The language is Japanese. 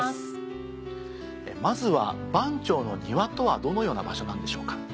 まずは番町の庭とはどのような場所なんでしょうか？